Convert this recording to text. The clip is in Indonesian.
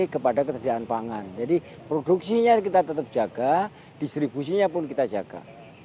kepada ketersediaan pangan jadi produksinya kita tetap jaga distribusinya pun kita jaga